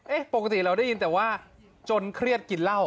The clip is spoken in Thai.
ปกติเราได้ยินแต่ว่าจนเครียดกินเหล้า